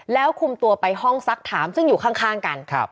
แล้วคุมตัวไปห้องซักถามซึ่งอยู่ข้างกัน